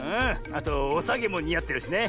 あとおさげもにあってるしね。